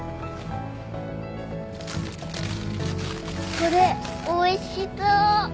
これおいしそう。